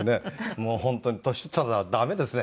もう本当に年取ったら駄目ですね。